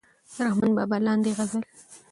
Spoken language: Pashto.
د رحمان بابا لاندې غزل